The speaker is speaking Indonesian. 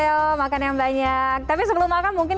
oke terima kasih